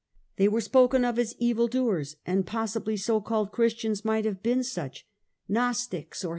* They were spoken of as evil doers, and possibly so called Christians might have been such — Gnostics, or CH.